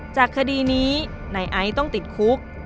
จากคดีนี้นายไอซ์ต้องติดคุก